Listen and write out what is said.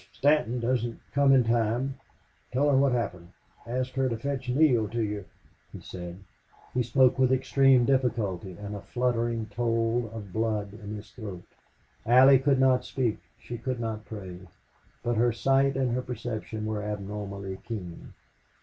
"If Stanton doesn't come in time tell her what happened ask her to fetch Neale to you," he said. He spoke with extreme difficulty and a fluttering told of blood in his throat. Allie could not speak. She could not pray. But her sight and her perception were abnormally keen.